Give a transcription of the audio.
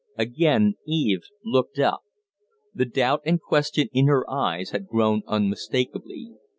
Again Eve looked up. The doubt and question in her eyes had grown unmistakably.